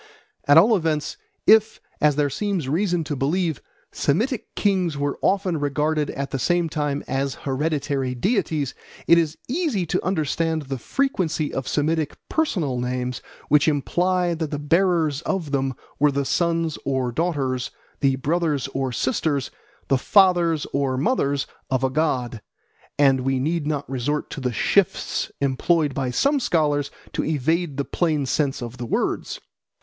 At all events, if, as there seems reason to believe, Semitic kings were often regarded at the same time as hereditary deities, it is easy to understand the frequency of Semitic personal names which imply that the bearers of them were the sons or daughters, the brothers or sisters, the fathers or mothers of a god, and we need not resort to the shifts employed by some scholars to evade the plain sense of the words.